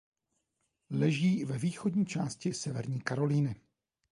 Leží ve východní části Severní Karolíny.